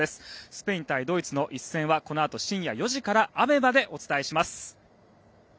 スペイン対ドイツの一戦はこのあと、深夜４時からＡＢＥＭＡでお伝えします。